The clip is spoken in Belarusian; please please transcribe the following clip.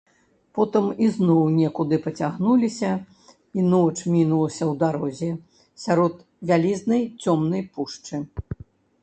Потым ізноў некуды пацягнуліся, і ноч мінулася ў дарозе, сярод вялізнай цёмнай пушчы.